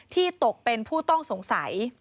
ตกเป็นผู้ต้องสงสัย